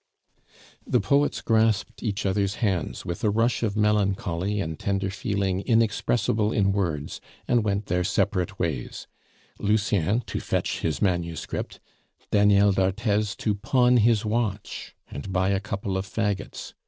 The poets grasped each other's hands with a rush of melancholy and tender feeling inexpressible in words, and went their separate ways; Lucien to fetch his manuscript, Daniel d'Arthez to pawn his watch and buy a couple of faggots.